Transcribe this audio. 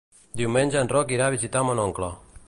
Diumenge en Roc irà a visitar mon oncle.